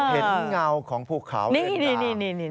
เห็นเงาของผู้เขาเหลือง่า